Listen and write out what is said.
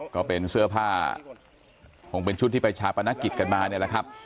ก็เป็นเสื้อผ้าคงเป็นชุดที่ไปชาปนกิจกันมาเนี่ยแหละครับ